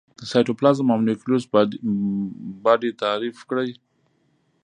د سایتوپلازم او نیوکلیوس باډي تعریف کړي.